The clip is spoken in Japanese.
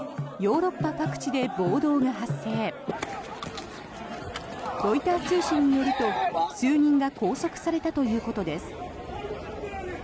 ロイター通信によると、数人が拘束されたということです。